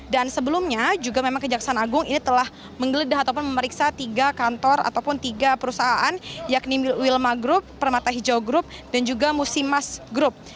dan sebelumnya juga memang kejaksaan agung ini telah menggeledah ataupun memeriksa tiga kantor ataupun tiga perusahaan yakni wilma group permata hijau group dan juga musimas group